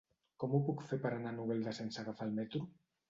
Com ho puc fer per anar a Novelda sense agafar el metro?